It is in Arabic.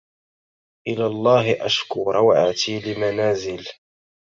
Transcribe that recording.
إلى الله أشكو روعتي لمنازل